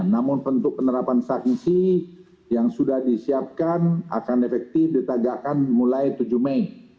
namun bentuk penerapan sanksi yang sudah disiapkan akan efektif ditagakkan mulai tujuh mei